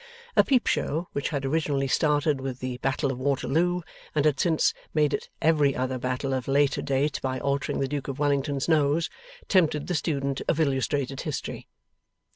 A Peep show which had originally started with the Battle of Waterloo, and had since made it every other battle of later date by altering the Duke of Wellington's nose, tempted the student of illustrated history.